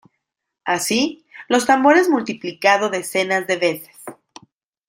Así, los tambores multiplicado decenas de veces.